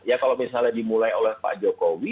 ya kalau misalnya dimulai oleh pak jokowi